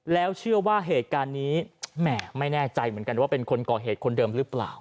แล้วเชื่อว่าเหตุการณ์นี้แหม่ไม่แน่ใจเหมือนกันว่าเป็นคนก่อเหตุคนเดิมหรือเปล่า